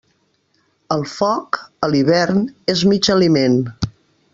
El foc, a l'hivern, és mig aliment.